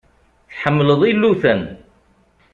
Tḥemmleḍ iluten.